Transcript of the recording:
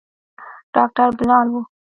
ډاکتر بلال و.